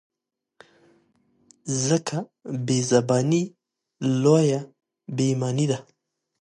ځکه بې زباني لویه بې ایماني ده.